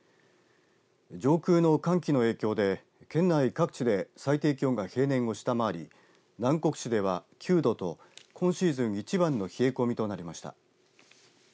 上空の寒気の影響で県内各地で最低気温が平年を下回り南国市では、９度と今シーズン一番の冷え込みとなりました。